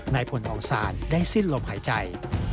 นายผลอซานได้สิ้นลมหายใจ